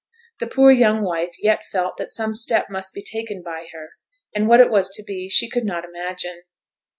The poor young wife yet felt that some step must be taken by her; and what it was to be she could not imagine.